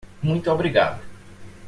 Muito obrigado.